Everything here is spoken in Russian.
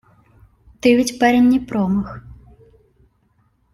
Ты ведь парень не промах.